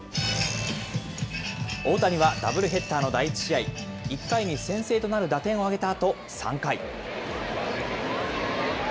大谷はダブルヘッダーの第１試合、１回に先制となる打点を挙げたあと、３回。